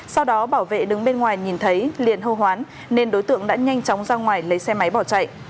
sau đó bảo vệ đứng bên ngoài nhìn thấy liền hô hoán nên đối tượng đã nhanh chóng ra ngoài lấy xe máy bỏ chạy